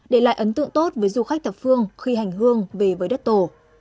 để lại ấn tượng tốt với du khách thập phương khi hành hương về với đất tổ